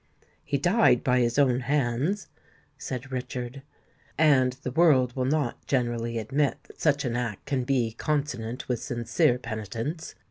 "He died by his own hands," said Richard; "and the world will not generally admit that such an act can be consonant with sincere penitence.